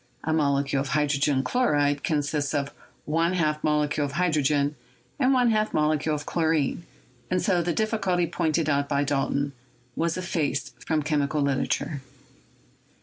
A molecule of hydrogen chlo ride consists of one half molecule of hydrogen and one half molecule of chlorine, and so the difficulty pointed out by Dalton was effaced from chemical literature.